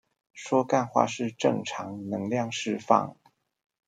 說幹話是正常能量釋放